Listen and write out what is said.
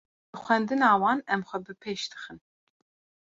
Bi xwendina wan em xwe bi pêş dixin.